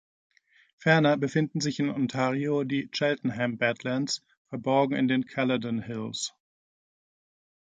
Ferner befinden sich in Ontario die "Cheltenham Badlands", verborgen in den "Caledon Hills".